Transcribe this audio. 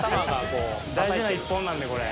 大事な１本なんで、これ。